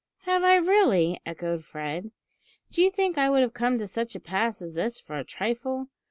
"Have I really!" echoed Fred. "Do you think I would have come to such a pass as this for a trifle?